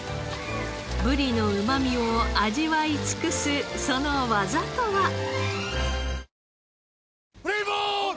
ブリのうま味を味わい尽くすその技とは？